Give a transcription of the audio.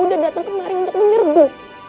sudah datang kemari untuk menyerbu